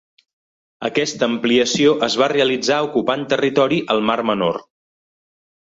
Aquesta ampliació es va realitzar ocupant territori al Mar Menor.